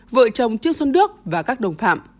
vợ chồng trương xuân đức và các đồng phạm